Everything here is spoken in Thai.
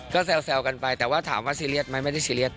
ก็แซวกันไปแต่ว่าถามว่าซีเรียสไหมไม่ได้ซีเรียส